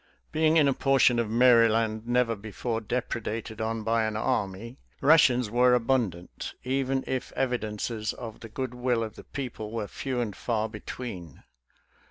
Being in a portion of Maryland never before depredated on by an army, rations were abun dant, even if evidences of the good will of the people were few and far between.